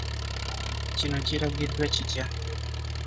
Kino kiragiddwa kitya?